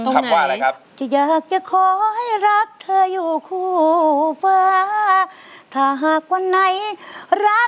เธออยู่คู่ฟ้า